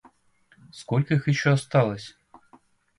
Сколько их еще осталось?